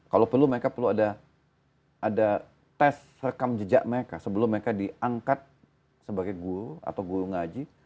kalau perlu mereka perlu ada tes rekam jejak mereka sebelum mereka diangkat sebagai guru atau guru ngaji